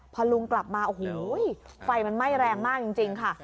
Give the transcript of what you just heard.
พอลุงกลับมาโอ้โหไฟมันไหม้แรงมากจริงค่ะ